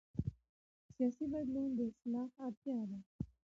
سیاسي بدلون د اصلاح اړتیا ده